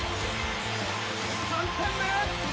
３点目！